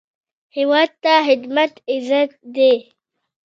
هیواد ته خدمت عزت دی